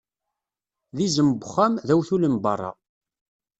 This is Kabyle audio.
D izem n uxxam, d awtul n beṛṛa.